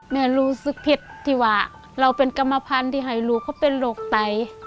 รู้สึกผิดที่ว่าเราเป็นกรรมพันธุ์ที่ให้ลูกเขาเป็นโรคไต